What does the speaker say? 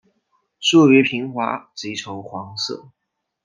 树皮平滑及呈黄色。